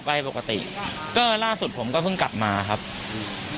ไปปกติก็ล่าสุดผมก็เพิ่งกลับมาครับอืม